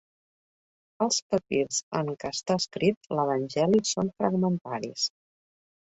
Els papirs en què està escrit l'evangeli són fragmentaris.